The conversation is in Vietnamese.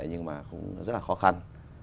nhưng mà cũng rất là khó khăn